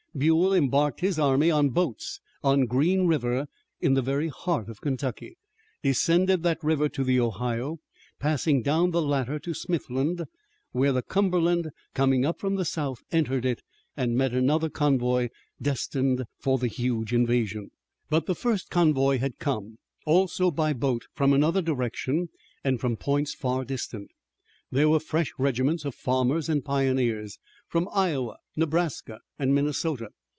Buell embarked his army on boats on Green River in the very heart of Kentucky, descended that river to the Ohio, passing down the latter to Smithland, where the Cumberland, coming up from the south, entered it, and met another convoy destined for the huge invasion. But the first convoy had come, also by boat, from another direction, and from points far distant. There were fresh regiments of farmers and pioneers from Iowa, Nebraska, and Minnesota.